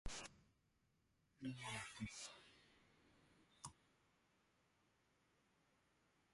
Uganda yaifungia shirika linalo tetea vitendo vya ufuska kwa kujihusishanna mapenzi ya jinsia moja